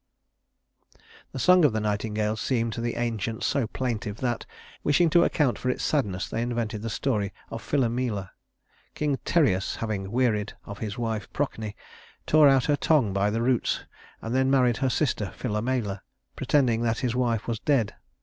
The song of the nightingale seemed to the ancients so plaintive that, wishing to account for its sadness, they invented the story of Philomela. King Tereus, having wearied of his wife Procne, tore out her tongue by the roots and then married her sister Philomela, pretending that his wife was dead.